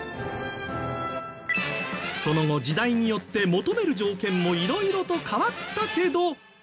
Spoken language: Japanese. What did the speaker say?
その後時代によって求める条件もいろいろと変わったけど。